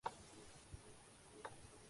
آج بھی لوگ بحث کرتے ہیں کہ عقل ماخذ علم یا وحی؟